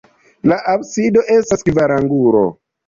La absido estas kvarangula.